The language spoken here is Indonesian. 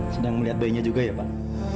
sedang melihat bayinya juga ya pak